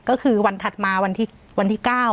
ก็คือวันถัดมาวันที่๙